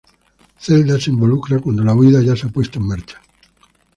Zelda se involucra cuando la huida ya se ha puesto en marcha.